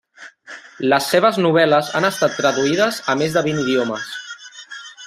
Les seves novel·les han estat traduïdes a més de vint idiomes.